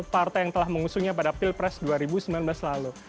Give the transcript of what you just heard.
partai yang telah mengusungnya pada pilpres dua ribu sembilan belas lalu